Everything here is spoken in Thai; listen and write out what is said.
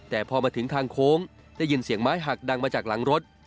แต่พอมาถึงทางโค้งได้ยินเสียงไม้หักดังมาจากหลังรถ